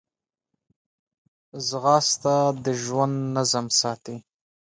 ځغاسته د ژوند نظم ساتي